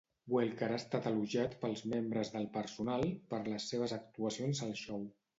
Welker ha estat elogiat pels membres del personal per les seves actuacions al xou.